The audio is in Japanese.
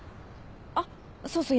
あっそうそう。